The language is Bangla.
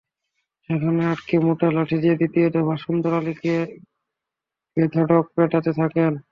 সেখানে আটকে মোটা লাঠি দিয়ে দ্বিতীয় দফা সুন্দর আলীকে বেধড়ক পেটাতে থাকেন।